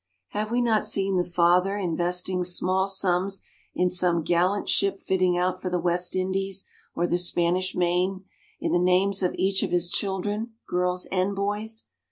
Have we not seen the father investing small sums in some gallant ship fitting out for the West Indies or the Spanish Main, in the names of each of his children, girls and boys?